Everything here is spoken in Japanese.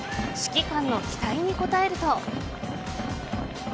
指揮官の期待に応えると。